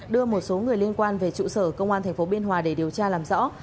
đưa một số người liên quan về trụ sở công an tp biên hòa để điều tra làm rõ